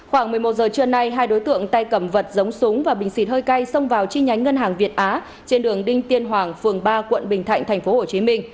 khoảng một mươi một giờ trưa nay hai đối tượng tay cầm vật giống súng và bình xịt hơi cay xông vào chi nhánh ngân hàng việt á trên đường đinh tiên hoàng phường ba quận bình thạnh tp hcm